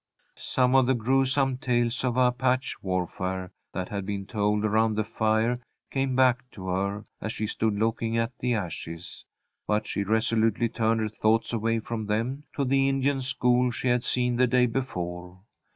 Some of the gruesome tales of Apache warfare that had been told around the fire came back to her as she stood looking at the ashes, but she resolutely turned her thoughts away from them, to the Indian school she had seen the day before.